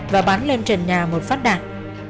và bắn lên trần nhà một phát đạn